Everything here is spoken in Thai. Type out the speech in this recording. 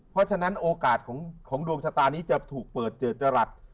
เพราะฉะนั้นโอกาสของดวงชะตานี้จะถูกเปิดเจตรัส